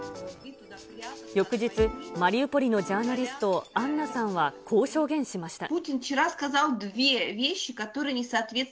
翌日、マリウポリのジャーナリスト、アンナさんはこう証言しました。